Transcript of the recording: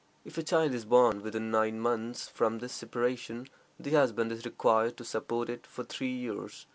If a child is born within nine months from this separation, the husband is required to support it for three years.